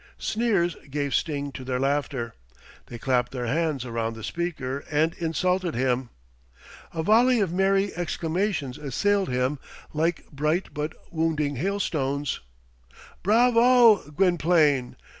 Sneers gave sting to their laughter. They clapped their hands around the speaker, and insulted him. A volley of merry exclamations assailed him like bright but wounding hailstones. "Bravo, Gwynplaine!"